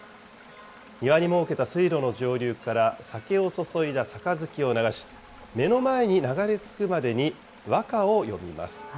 庭に設けた水路の上流から酒を注いだ杯を流し、目の前に流れつくまでに和歌を詠みます。